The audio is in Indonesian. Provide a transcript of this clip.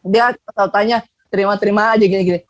dia tanya terima terima aja gini gini